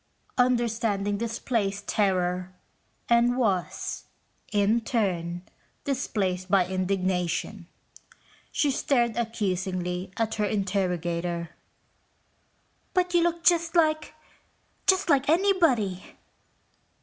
Understanding displaced terror and was, in turn, displaced by indignation. She stared accusingly at her interrogator. "But you look just like ... just like anybody."